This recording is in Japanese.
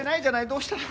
どうしたら。